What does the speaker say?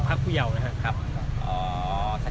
ไม่ใช่นี่คือบ้านของคนที่เคยดื่มอยู่หรือเปล่า